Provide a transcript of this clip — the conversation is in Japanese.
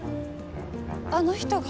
あの人が。